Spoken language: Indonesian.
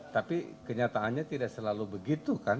tapi kenyataannya tidak selalu begitu kan